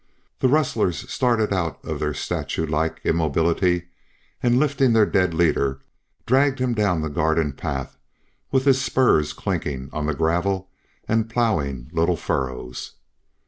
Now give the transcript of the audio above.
The rustlers started out of their statue like immobility, and lifting their dead leader dragged him down the garden path with his spurs clinking on the gravel and ploughing little furrows.